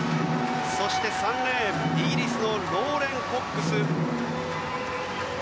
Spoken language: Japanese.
そして、３レーンイギリスのローレン・コックス。